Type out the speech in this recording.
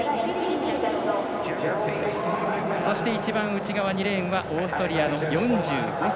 そして一番内側、２レーンはオーストリアの４５歳。